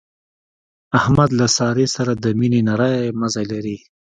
احمد له سارې سره د مینې نری مزی لري.